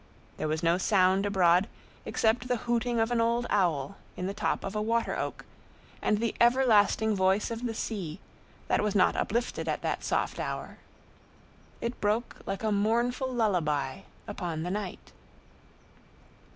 There was no sound abroad except the hooting of an old owl in the top of a water oak, and the everlasting voice of the sea, that was not uplifted at that soft hour. It broke like a mournful lullaby upon the night.